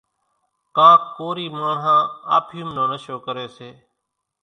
ڪانڪ ڪورِي ماڻۿان آڦيم نو نشو ڪريَ سي۔